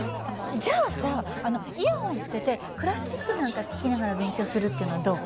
じゃあさイヤホンつけてクラシックなんか聞きながら勉強するっていうのはどう？